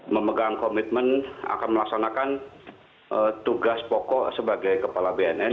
memegang komitmen akan melaksanakan tugas pokok sebagai kepala bnn